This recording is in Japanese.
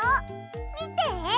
みて！